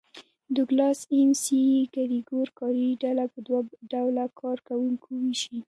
ډوګلاس اېم سي ګرېګور کاري ډله په دوه ډوله کار کوونکو وېشلې.